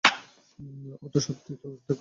ওটা সত্যিই তো একটা গাড়ি!